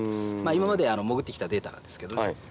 今まで潜って来たデータなんですけどね。